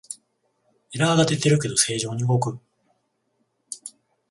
エラーが出てるけど正常に動く